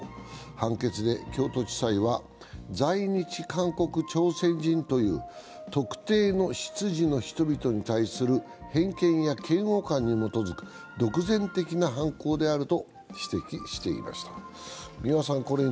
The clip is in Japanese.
判決で京都地裁は在日韓国・朝鮮人という特定の出自の人々に対する偏見や嫌悪感に基づく独善的な犯行であると指摘していました。